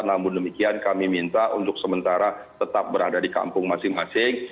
namun demikian kami minta untuk sementara tetap berada di kampung masing masing